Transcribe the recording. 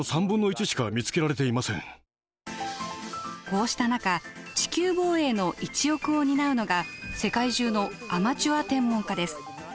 こうした中地球防衛の一翼を担うのが世界中のアマチュア天文家です。